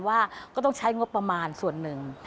ว่าก็ต้องใช้งบประมาณส่วนหนึ่ง